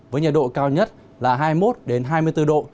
với nhiệt độ cao nhất là hai mươi một hai mươi bốn độ